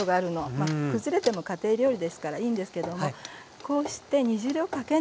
まあくずれても家庭料理ですからいいんですけどもこうして煮汁をかけながら。